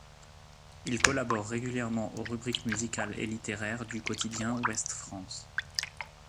Il collabore régulièrement aux rubriques musicales et littéraires du quotidien Ouest-France.